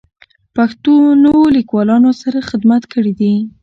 پښتنو لیکوالانو ستر خدمات کړي دي.